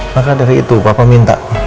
maka dari itu bapak minta